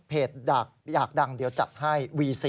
เพจดักอยากดังเดียวจัดให้